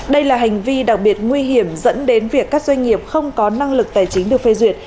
đây là hành vi đặc biệt nguy hiểm dẫn đến việc các doanh nghiệp không có năng lực tài chính được phê duyệt